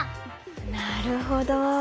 なるほど。